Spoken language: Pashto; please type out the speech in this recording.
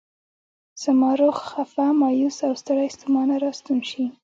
زما روح خفه، مایوس او ستړی ستومان راستون شي.